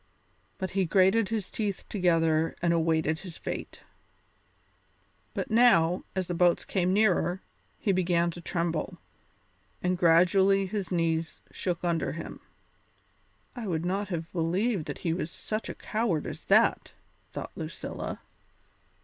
But he grated his teeth together and awaited his fate. But now, as the boats came nearer, he began to tremble, and gradually his knees shook under him. "I would not have believed that he was such a coward as that," thought Lucilla.